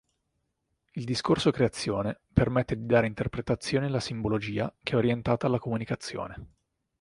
Il discorso-creazione permette di dare interpretazioni alla simbologia che è orientata alla comunicazione.